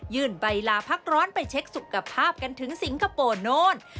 ใบลาพักร้อนไปเช็คสุขภาพกันถึงสิงคโปร์โน้น